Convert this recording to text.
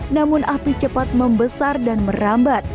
namun api cepat membesar dan merambat